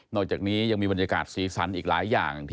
อกจากนี้ยังมีบรรยากาศสีสันอีกหลายอย่าง